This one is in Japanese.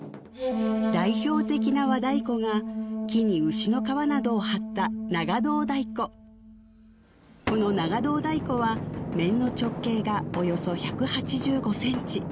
代表的な和太鼓が木に牛の皮などを張ったこの長胴太鼓は面の直径がおよそ１８５ｃｍ